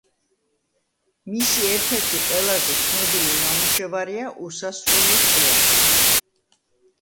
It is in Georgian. მისი ერთ-ერთი ყველაზე ცნობილი ნამუშევარია „უსასრულო სვეტი“.